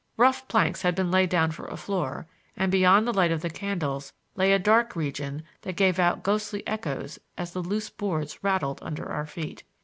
Rough planks had been laid down for a floor, and beyond the light of the candles lay a dark region that gave out ghostly echoes as the loose boards rattled under our feet.